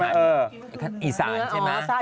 ซ่าก็คือวิธีการทำ